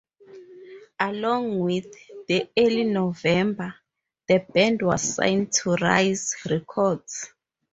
Along with "The Early November", the band was signed to Rise Records.